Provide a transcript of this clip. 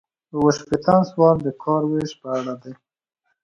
اووه شپیتم سوال د کار ویش په اړه دی.